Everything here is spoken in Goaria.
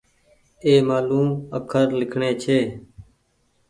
اي مآلون اکر لکڻي ڇي